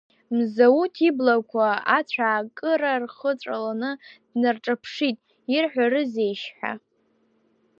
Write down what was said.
Мзауҭ иблақәа ацәаакыра рхыҵәаланы днарҿаԥшит ирҳәарызеишь ҳәа.